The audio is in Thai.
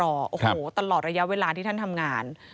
โอ้โหตลอดระยะเวลาที่ท่านทำงาน